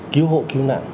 cứu hộ cứu nạn